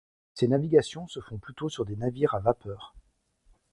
Ses navigations se font plutôt sur des navires à vapeur.